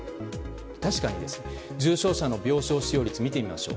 確かに、重症者の病床使用率見てみましょう。